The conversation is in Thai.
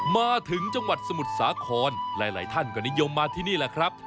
มาถึงจังหวัดสมุทรสาครหลายท่านก็นิยมมาที่นี่แหละครับ